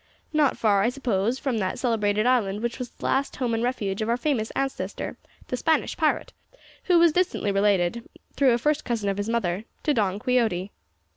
"Not far, I suppose, from that celebrated island which was the last home and refuge of our famous ancestor, the Spanish pirate, who was distantly related, through a first cousin of his mother, to Don Quixote."